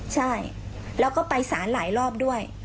ใช่แล้วก็ไปสารหลายรอบด้วย